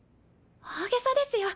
大げさですよ。